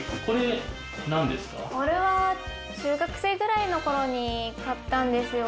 これは中学生くらいの頃に買ったんですよ。